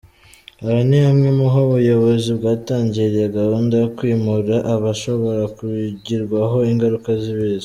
Aha ni hamwe muho ubuyobozi bwatangiriye gahunda yo kwimura abashobora kugirwaho ingaruka z'ibiza.